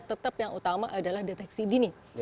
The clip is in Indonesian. tetap yang utama adalah deteksi dini